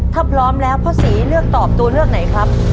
ถ้าพร้อมแล้วพ่อศรีเลือกตอบตัวเลือกไหนครับ